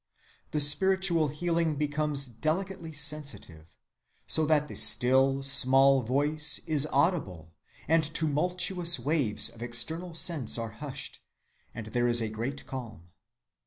The spiritual hearing becomes delicately sensitive, so that the 'still, small voice' is audible, the tumultuous waves of external sense are hushed, and there is a great calm.